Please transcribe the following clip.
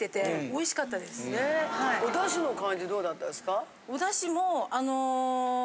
お出汁の感じどうだったですか？